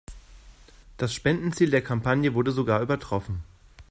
Das Spendenziel der Kampagne wurde sogar übertroffen.